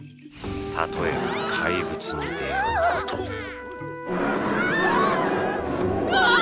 例えば怪物に出会うことウワー！